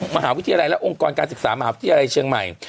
มหาวิทยาลัยและองค์กรการศึกษามหาวิทยาลัยเชียงใหม่